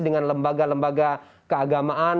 dengan lembaga lembaga keagamaan